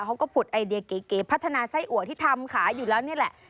เขาก็ผุดไอเดียเก๋พัฒนาไส้อัวที่ทำขายอยู่แล้วนี่แหละ